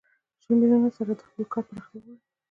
شلو میلیونو سره د خپل کار پراختیا غواړي